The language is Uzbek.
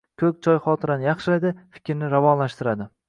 Ko‘k choy xotirani yaxshilaydi, fikrni ravonlashtiradi.